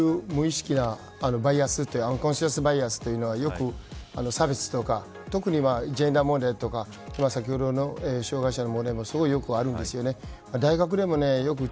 ある意味、こういうアンコンシャスバイアスというのはよく、差別とか特にはジェンダー問題とか先ほどの障害者の問題でもすごくよくあるんですよね。